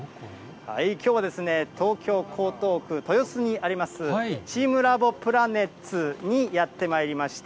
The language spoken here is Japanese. きょうは東京・江東区豊洲にあります、チームラボプラネッツにやってまいりました。